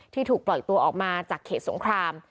ถูกปล่อยตัวออกมาจากเขตสงคราม